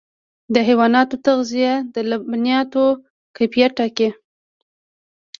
د حیواناتو تغذیه د لبنیاتو کیفیت ټاکي.